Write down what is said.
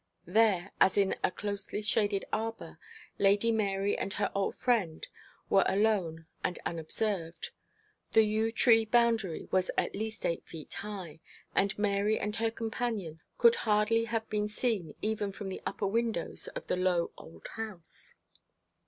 There, as in a closely shaded arbour, Lady Mary and her old friend were alone and unobserved. The yew tree boundary was at least eight feet high, and Mary and her companion could hardly have been seen even from the upper windows of the low, old house.